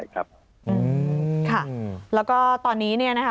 กัน